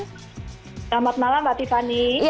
selamat malam mbak tiffany